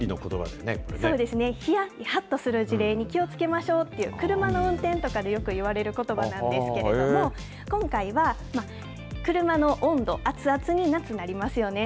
そうですね、ヒヤリ、ハットする事例に気をつけましょうっていう、車の運転とかでよくいわれることばなんですけれども、今回は車の温度、熱々に夏、なりますよね。